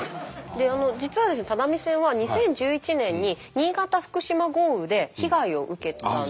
実はですね只見線は２０１１年に新潟・福島豪雨で被害を受けたんですよね。